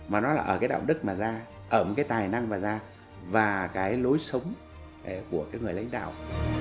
mà nó là ở cái đạo đức mà ra ở một cái tài năng mà da và cái lối sống của cái người lãnh đạo